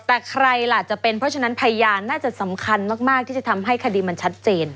แต่ใครล่ะจะเป็นเพราะฉะนั้นพยานน่าจะสำคัญมากที่จะทำให้คดีมันชัดเจน